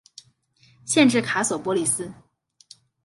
县治卡索波利斯。